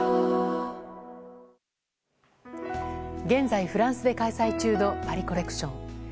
現在、フランスで開催中のパリコレクション。